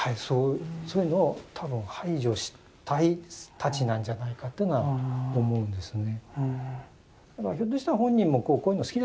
そういうのを多分排除したいたちなんじゃないかっていうのは思うんですよね。